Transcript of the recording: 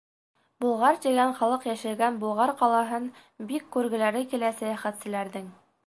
Болғар тигән халыҡ йәшәгән Болғар ҡалаһын бик күргеләре килә сәйәхәтселәрҙең.